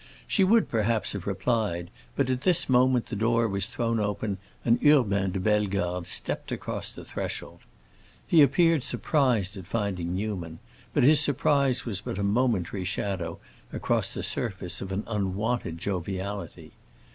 She would, perhaps, have replied, but at this moment the door was thrown open and Urbain de Bellegarde stepped across the threshold. He appeared surprised at finding Newman, but his surprise was but a momentary shadow across the surface of an unwonted joviality.